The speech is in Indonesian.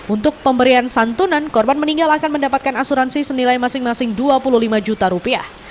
untuk pemberian santunan korban meninggal akan mendapatkan asuransi senilai masing masing dua puluh lima juta rupiah